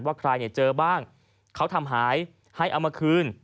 ว่าใครเนี่ยเจอบ้างเขาทำหายให้เอามาคืน